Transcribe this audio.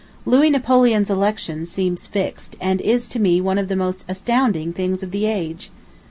... Louis Napoleon's election seems fixed, and is to me one of the most astounding things of the age.